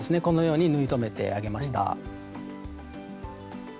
このように縫い留めてあげました。